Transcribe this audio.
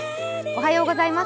おはようございます。